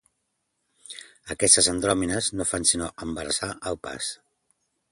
Aquestes andròmines no fan sinó embarassar el pas.